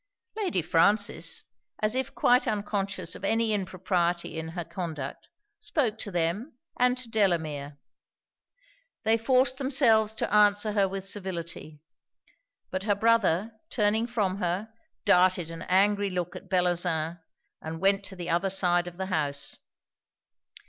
Lady Frances, as if quite unconscious of any impropriety in her conduct, spoke to them and to Delamere. They forced themselves to answer her with civility; but her brother, turning from her, darted an angry look at Bellozane, and went to the other side of the house.